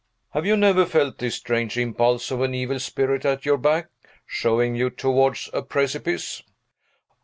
Have you never felt this strange impulse of an evil spirit at your back, shoving you towards a precipice?"